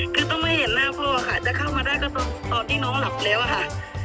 คือต้องไม่เห็นหน้าพ่อค่ะจะเข้ามาได้ก็ตอนที่น้องหลับแล้วอะค่ะ